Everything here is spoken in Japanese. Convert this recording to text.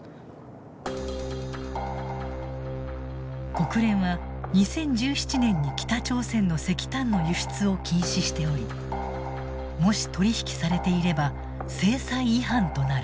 国連は２０１７年に北朝鮮の石炭の輸出を禁止しておりもし取り引きされていれば制裁違反となる。